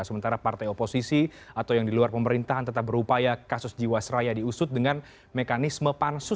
sementara partai oposisi atau yang di luar pemerintahan tetap berupaya kasus jiwasraya diusut dengan mekanisme pansus